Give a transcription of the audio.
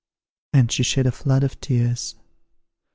and she shed a flood of tears.